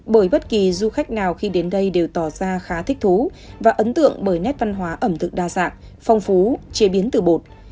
bởi bất kỳ du khách nào khi đến đây đều tỏ ra khá thích thú và ấn tượng bởi nét văn hóa ẩm thực đa dạng phong phú chế biến từ bột